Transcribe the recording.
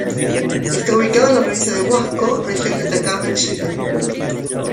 Está ubicado en la provincia de Huasco, Región de Atacama, Chile.